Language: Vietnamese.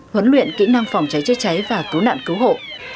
huấn luyện kỹ năng phòng cháy chữa cháy và cứu nạn cứu hộ